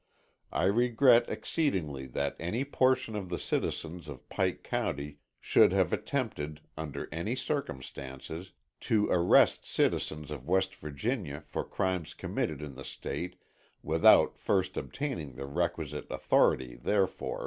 I regret exceedingly that any portion of the citizens of Pike County should have attempted, under any circumstances, to arrest citizens of West Virginia for crimes committed in the State without first obtaining the requisite authority therefor.